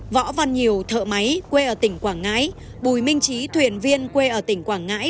võ văn nhiều thợ máy quê ở tỉnh quảng ngãi bùi minh trí thuyền viên quê ở tỉnh quảng ngãi